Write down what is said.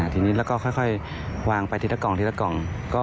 ทีนี้แล้วก็ค่อยวางไปทีละกล่องทีละกล่อง